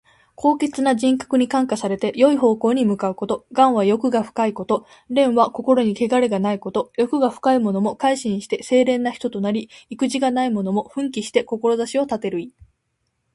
高潔な人格に感化されて、よい方向に向かうこと。「頑」は欲が深いこと。「廉」は心にけがれがないこと。欲が深いものも改心して清廉な人となり、意気地がないものも奮起して志を立てる意。